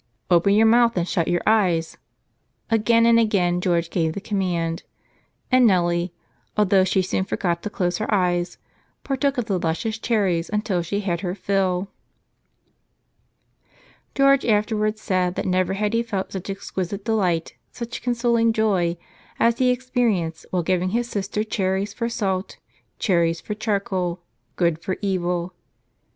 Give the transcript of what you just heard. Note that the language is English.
"Open your mouth and shut your eyes," again and again George gave the command, and Nellie (although she soon forgot to close her eyes) partook of the luscious cherries until she had her fill. George afterward said that never had he felt such exquisite delight, such consoling joy, as he experienced while giving his sister cherries for salt, cherries for charcoal — good for evil.